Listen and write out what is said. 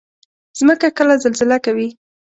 مځکه کله زلزله کوي.